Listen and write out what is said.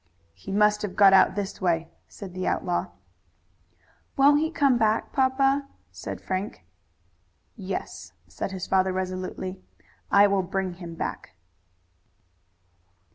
"He must have got out this way," said the outlaw. "Won't he come back, papa?" said Frank. "Yes," said his father resolutely. "I will bring him back."